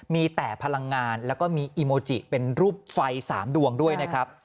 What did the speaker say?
มีแต่พลังงานแล้วก็มีอีโมจิเป็นรูปไฟ๓ดวงด้วยนะครับ